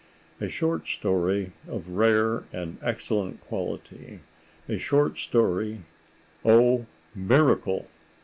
A short story of rare and excellent quality. A short story—oh, miracle!